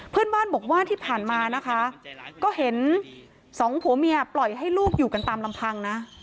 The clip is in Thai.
เพื่อนบ้านบอกว่าที่ผ่านมานะคะก็เห็นสองผัวเมียปล่อยให้ลูกอยู่กันตามลำพังนะ